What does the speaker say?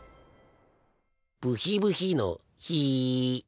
ブヒブヒのヒ。